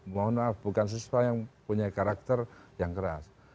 mohon maaf bukan siswa yang punya karakter yang keras